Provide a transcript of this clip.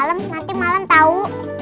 kalau makan malam nanti malam tau